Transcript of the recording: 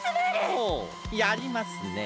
ほうやりますね。